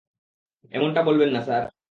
এমনটা বলবেন না, স্যার।